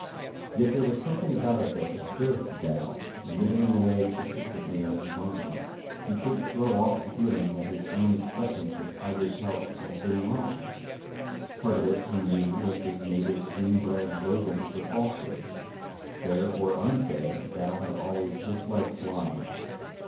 Yet there was something about it that disturbed Dal, nibbling away persistently at his mind. He couldn't throw off the feeling that his own acceptance of Tiger's help had been wrong. Part of it, he knew, was his native, inbred loathing for falsehood. Fair or unfair, Dal had always disliked lying.